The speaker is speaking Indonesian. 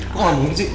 kok gak mungkin sih